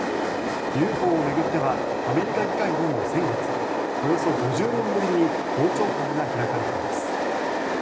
ＵＦＯを巡ってはアメリカ議会でも先月およそ５０年ぶりに公聴会が開かれています。